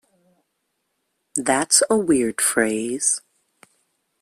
That is a weird phrase.